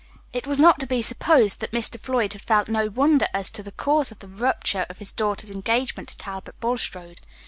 It was not to be supposed that Mr. Floyd had felt no wonder as to the cause of the rupture of his daughter's engagement to Talbot Bulstrode.